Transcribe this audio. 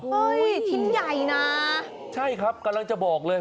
ชิ้นใหญ่นะใช่ครับกำลังจะบอกเลย